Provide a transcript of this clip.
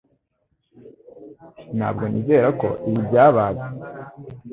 Ntabwo nizera ko ibi byabaye